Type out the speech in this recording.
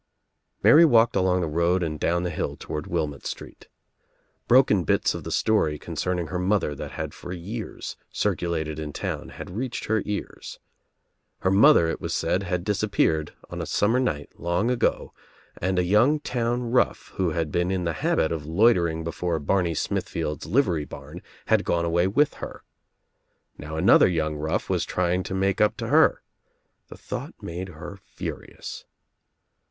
Mary walked along the road and down the hill toward Wilmott Street. Broken bits of the story con cerning her mother that had for years circulated in town had reached her ears. Her mother, It was said, had disappeared on a summer night long ago and a young town rough, who had been in the habit of loiter ing before Barney Smithfield's Livery Barn, had gone away with her. Now another young rough was trying to make up to her. The thought made her furious.